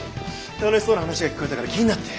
楽しそうな話が聞こえたから気になって。